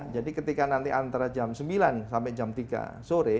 jadi ketika nanti antara jam sembilan sampai jam tiga sore